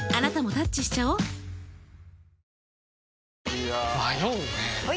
いや迷うねはい！